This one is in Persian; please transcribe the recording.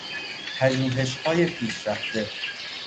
پژوهشهای پیشرفته